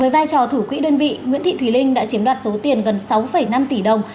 với vai trò thủ quỹ đơn vị nguyễn thị thùy linh đã chiếm đoạt số tiền gần sáu năm tỷ đồng